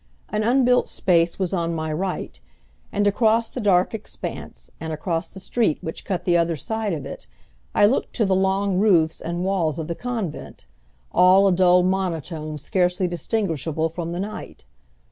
An unbuilt space was on my right, and across the dark expanse, and across the street which cut the other side of it I looked to the long roofs and walls of the convent, all a dull monotone scarcely distinguishable from the night.